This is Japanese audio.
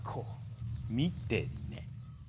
見てね。